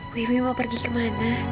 wuih mau pergi kemana